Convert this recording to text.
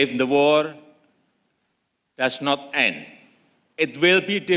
kita harus mengakhiri perang